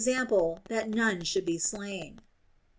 e. that none should be slain.